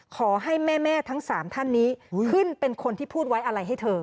ขอให้แม่ทั้ง๓ท่านนี้ขึ้นเป็นคนที่พูดไว้อะไรให้เธอ